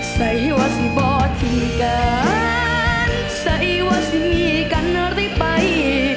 ใส่ว่าจะเป่าที่กันใส่ว่าจะมีกันหรือไป